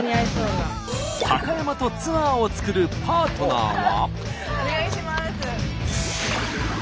高山とツアーを作るパートナーは。